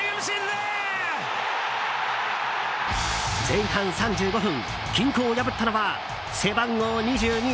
前半３５分、均衡を破ったのは背番号２２。